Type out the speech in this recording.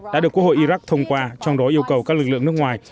đã được quốc hội iraq thông qua trong đó yêu cầu các lực lượng nước ngoài